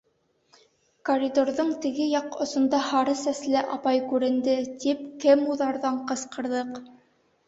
Коридорҙың теге яҡ осонда һары сәсле апай күренде. — тип кемуҙарҙан ҡысҡырҙыҡ.